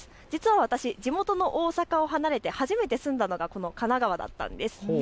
実は私、地元の大阪を離れて初めて住んだのがこの神奈川だったんです。